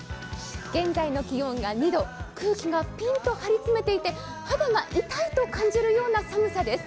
現在の気温が２度、空気がピンと張り詰めていて肌が痛いと感じるような寒さです。